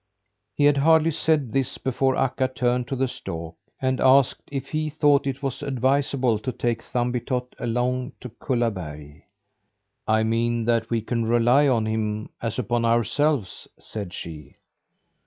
He had hardly said this before Akka turned to the stork and asked if he thought it was advisable to take Thumbietot along to Kullaberg. "I mean, that we can rely on him as upon ourselves," said she.